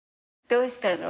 どうしたの？